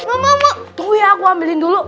mama tunggu ya aku ambilin dulu